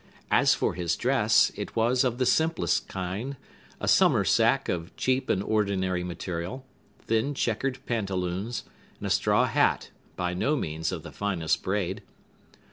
As for his dress, it was of the simplest kind; a summer sack of cheap and ordinary material, thin checkered pantaloons, and a straw hat, by no means of the finest braid.